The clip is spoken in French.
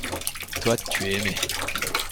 Toi, tu es aimé.